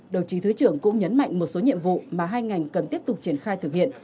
đồng chí thứ trưởng cũng nhấn mạnh một số nhiệm vụ mà hai ngành cần tiếp tục triển khai thực hiện